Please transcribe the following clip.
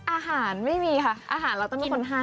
อาหารไม่มีค่ะอาหารเราต้องมีคนให้